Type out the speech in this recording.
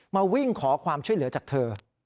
มาวิ่งขอความช่วยเหลือจากเธอ